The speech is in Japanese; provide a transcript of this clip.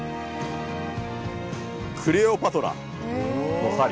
「クレオパトラの針」。